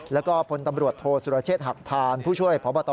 แล้วก็พลตำรวจโทษสุรเชษฐหักพานผู้ช่วยพบต